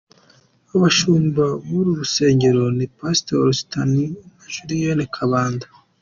Abashumba buru rusengero ni Pastor Stanley na Julienne Kabanda.